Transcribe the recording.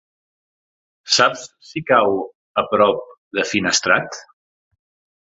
Saps si cau a prop de Finestrat?